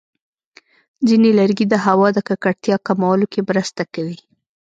ځینې لرګي د هوا د ککړتیا کمولو کې مرسته کوي.